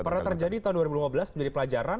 pernah terjadi tahun dua ribu lima belas menjadi pelajaran